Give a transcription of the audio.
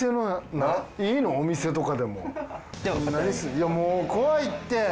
いやもう怖いって！